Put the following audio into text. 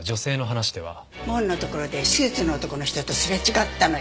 門のところでスーツの男の人とすれ違ったのよ。